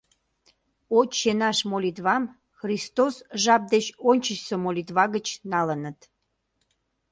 «Отче наш» молитвам Христос жап деч ончычсо молитва гыч налыныт.